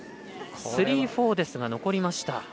スリー、フォーですが残りました。